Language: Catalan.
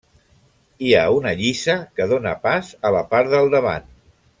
Hi ha una lliça que dóna pas a la part del davant.